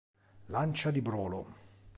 Lancia di Brolo